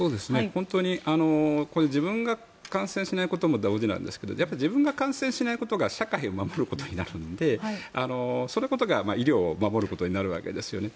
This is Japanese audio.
本当に自分が感染しないことも大事なんですが自分が感染しないことが社会を守ることになるのでそのことが医療を守ることになるわけですよね。